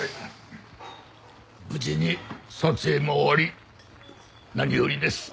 無事に撮影も終わり何よりです。